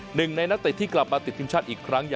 หนึ่งในนักเตะที่กลับมาติดทีมชาติอีกครั้ง